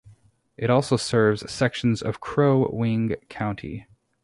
It also serves sections of Crow Wing County.